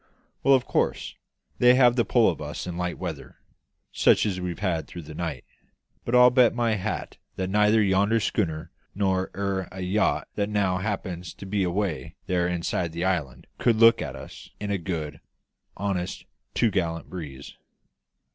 Well, of course, they have the pull of us in light weather, such as we've had through the night; but I'll bet my hat that neither yonder schooner nor e'er a yacht that now happens to be away there inside the island could look at us in a good, honest to'gallant breeze.